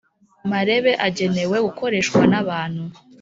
marebe agenewe gukoreshwa n’ abantu